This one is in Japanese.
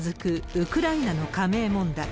ウクライナの加盟問題。